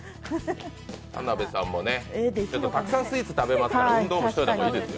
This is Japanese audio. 田辺さんもたくさんスイーツ食べますから運動もしといた方がいいですよ。